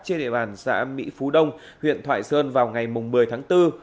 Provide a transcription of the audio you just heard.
trên địa bàn xã mỹ phú đông huyện thoại sơn vào ngày một mươi tháng bốn